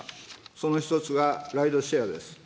その１つがライドシェアです。